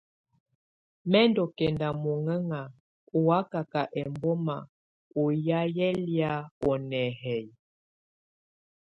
Mɛ̀ ndù kɛnda muŋɛŋa ù wakaka ɛmbɔma ɔ́ ya yɛ lɛ̀á ù nɛhɛyɛ.